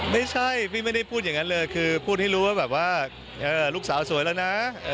ไม่ใช่พี่ไม่ได้พูดอย่างนั้นเลยคือพูดให้รู้ว่าแบบว่าลูกสาวสวยแล้วนะ